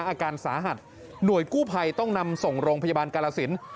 อาการสาหัสหน่วยกู้ภัยต้องนำส่งโรงพยาบาลกาลสิน